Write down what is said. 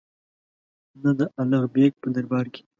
نه د الغ بېګ په دربار کې.